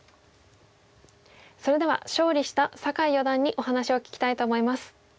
それでは勝利した酒井四段にお話を聞きたいと思います。